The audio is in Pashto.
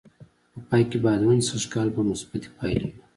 په پای کې باید ووایم چې سږ کال به مثبتې پایلې وې.